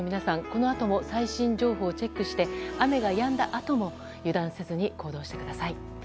このあとも最新情報をチェックして雨がやんだあとも油断せずに行動してください。